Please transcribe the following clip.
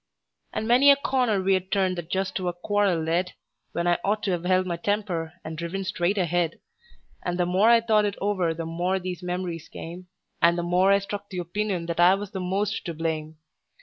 And many a corner we'd turned that just to a quarrel led, When I ought to 've held my temper, and driven straight ahead; And the more I thought it over the more these memories came, And the more I struck the opinion that I was the most to blame.